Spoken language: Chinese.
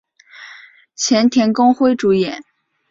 前田公辉主演。